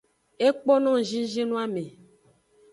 Ekpo no ngzinzin noame.